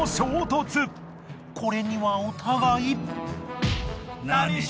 これにはお互い。